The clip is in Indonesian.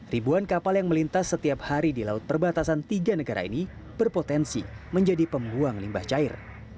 ribuan kapal yang melintas setiap hari di laut perbatasan tiga negara ini berpotensi menjadi pembuang limbah cair